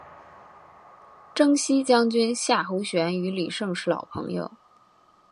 征西将军夏侯玄与李胜是老朋友。